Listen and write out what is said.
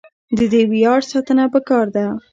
د دې ویاړ ساتنه پکار ده.